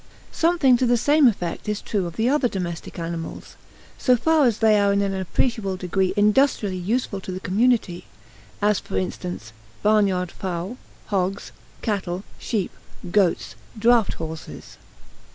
Something to the same effect is true of the other domestic animals, so far as they are in an appreciable degree industrially useful to the community as, for instance, barnyard fowl, hogs, cattle, sheep, goats, draught horses.